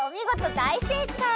だいせいかい！